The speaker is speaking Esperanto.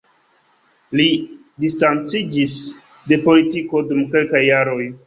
Li distanciĝis de politiko dum kelkaj jaroj.